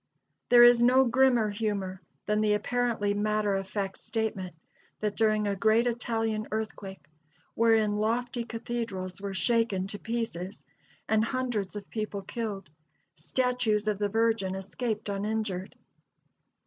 There is no grimmer humor than the apparently matter of fact statement that during a great Italian earthquake, wherein lofty cathedrals were shaken to pieces and hundreds of people killed, statues of the Virgin escaped uninjured.